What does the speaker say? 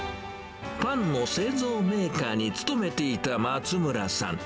パンの製造メーカーに勤めていた松村さん。